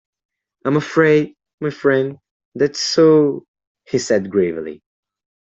"I am afraid, my friend, that is so," he said gravely.